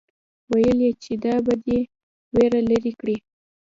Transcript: ويل يې چې دا به دې وېره لري کړي.